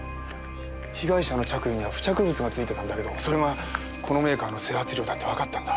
被害者の着衣には付着物が付いてたんだけどそれがこのメーカーの整髪料だってわかったんだ。